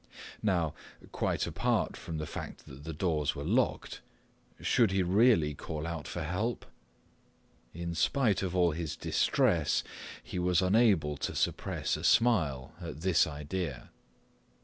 Now, quite apart from the fact that the doors were locked, should he really call out for help? In spite of all his distress, he was unable to suppress a smile at this idea.